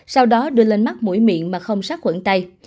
sau đó đưa lên mắt mũi miệng mà không sát khuẩn tay